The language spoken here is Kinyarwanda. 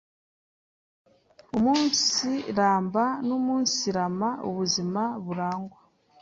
umunsiramba no umunsirama; ubuzima burangwa